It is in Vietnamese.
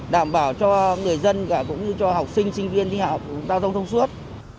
đảm bảo cho người dân và cũng như cho học sinh sinh viên đi học giao thông thông suốt